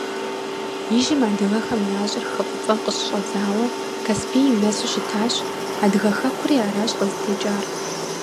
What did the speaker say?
Ижьым адыгэхэм я щӀыр хы ФӀыцӀэм къыщыщӀэдзауэ Каспийм нэсу щытащ, адыгэ хэкури аращ къызытекӀар.